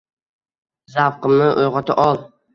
Zavqimni uyg’ota ol!